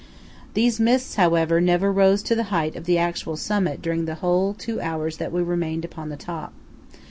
These mists, however, never rose to the height of the actual summit during the whole two hours that we remained upon the top.